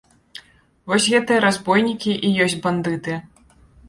Вось гэтыя разбойнікі і ёсць бандыты.